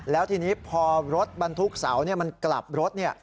แล้วทีนี้พอรถบรรทุกเสามันกลับรถ